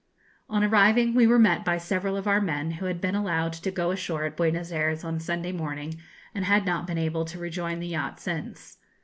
On arriving we were met by several of our men, who had been allowed to go ashore at Buenos Ayres on Sunday morning, and had not been able to rejoin the yacht since.